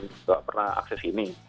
gak pernah akses ini